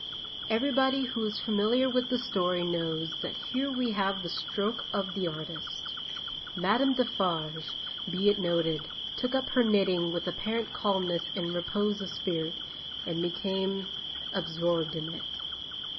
Everybody who is familiar with the story knows that here we have the stroke of the artist. Madame Defarge, be it noted, took up her knitting with apparent calmness and repose of spirit, and became absorbed in it.